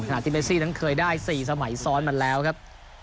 ที่เมซี่นั้นเคยได้๔สมัยซ้อนมาแล้วครับ